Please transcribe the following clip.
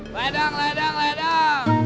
ledang ledang ledang